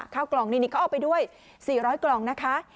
ข้าวกล่องนี่เขาเอาไปด้วย๔๐๐กล่องนะคะ